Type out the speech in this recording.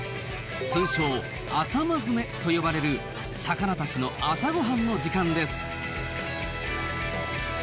通称朝まづめと呼ばれる魚たちの朝ごはんの時間です。